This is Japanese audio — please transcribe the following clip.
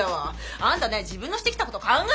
あんたね自分のしてきたこと考えてみなさいよ。